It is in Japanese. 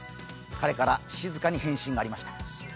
彼から静かに返信がありました。